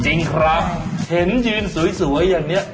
จริงครับเห็นยืนสวยอย่างนี้